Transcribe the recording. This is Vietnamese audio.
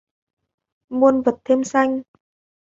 Muôn vật thêm xanh